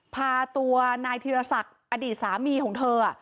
พาตัวนายธีรศักดิ์อดีตสามีของเธอ